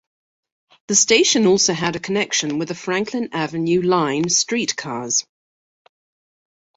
The station also had a connection with the Franklin Avenue Line streetcars.